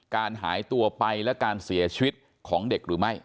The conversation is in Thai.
การหายตัวไปและการเสียชีวิตของเด็กหรือไม่